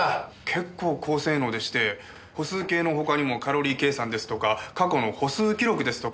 結構高性能でして歩数計の他にもカロリー計算ですとか過去の歩数記録ですとか。